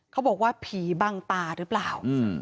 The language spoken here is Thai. เขาบอกว่าผีบังตาหรือเปล่า